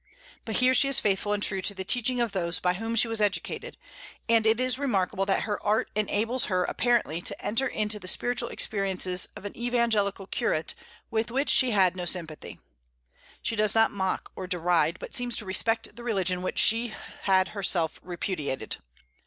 But here she is faithful and true to the teaching of those by whom she was educated; and it is remarkable that her art enables her apparently to enter into the spiritual experiences of an evangelical curate with which she had no sympathy. She does not mock or deride, but seems to respect the religion which she had herself repudiated.